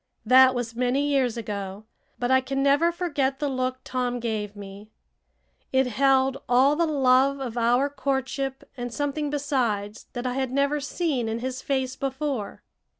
That was many years ago, but I can never forget the look Tom gave me. It held all the love of our courtship and something besides that I had never seen in his face before.